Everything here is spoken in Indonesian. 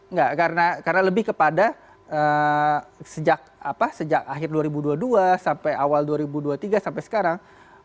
enggak karena lebih kepada sejak akhir dua ribu dua puluh dua sampai awal dua ribu dua puluh tiga sampai sekarang